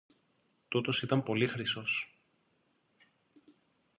Τούτος ήταν πολύ χρυσός!